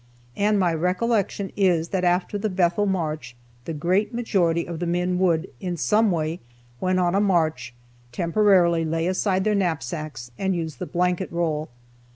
And my recollection is that after the Bethel march the great majority of the men would, in some way, when on a march, temporarily lay aside their knapsacks, and use the blanket roll.